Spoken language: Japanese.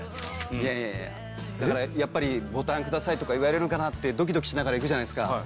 いやいやいややっぱりボタンくださいとか言われるかなってドキドキしながら行くじゃないですか